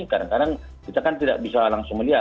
kadang kadang kita kan tidak bisa langsung melihat